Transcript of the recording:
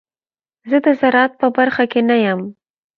زه د زراعت په برخه کې نه یم.